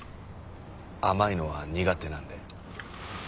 甘いのは苦手なので。